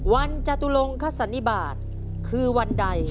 จตุลงคสันนิบาทคือวันใด